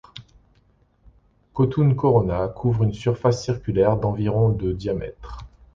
Khotun Corona couvre une surface circulaire d'environ de diamètre.